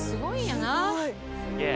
すげえ。